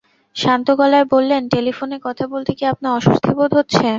শান্ত গলায় বললেন, টেলিফোনে কথা বলতে কি আপনার অস্বস্তি বোধ হচ্ছে?